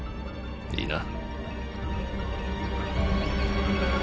いいな？